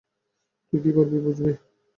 তুই কী করে বুঝবি?